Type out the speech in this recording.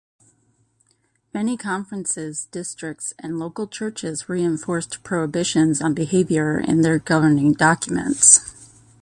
Many conferences, districts and local churches reinforced prohibitions on behavior in their governing documents.